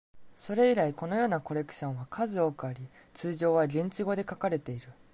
それ以来、このようなコレクションは数多くあり、通常は現地語で書かれている。